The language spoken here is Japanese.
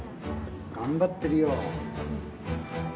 頑張ってるよ。